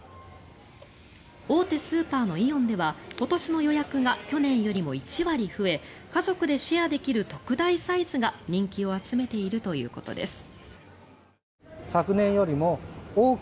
大手スーパーのイオンでは今年の予約が去年よりも１割増え家族でシェアできる特大サイズが人気を集めているということです。